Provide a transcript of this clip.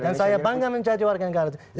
dan saya bangga menjadi warga negara indonesia